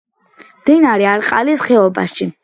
მდინარე არყალის ხეობაში.